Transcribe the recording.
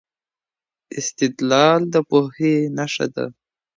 استدلال د پوهي نښه ده.